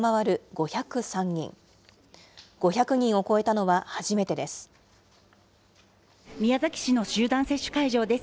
５００人を超えたのは初めてです。